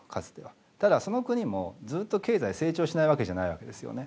ただその国もずっと経済成長しないわけじゃないわけですよね。